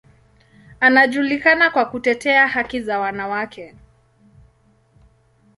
Anajulikana kwa kutetea haki za wanawake.